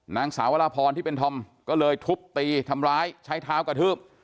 นางสาววรพรที่เป็นธอมก็เลยทุบตีทำร้ายใช้เท้ากระทืบ